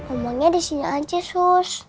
omanya di sini aja sus